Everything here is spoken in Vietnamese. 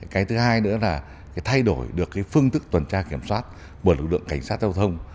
cái thứ hai nữa là thay đổi được phương tức tuần tra kiểm soát bởi lực lượng cảnh sát giao thông